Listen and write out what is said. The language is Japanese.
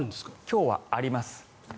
今日はあります。